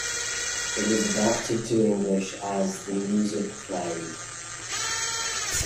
It was adapted to English as "The Music Played".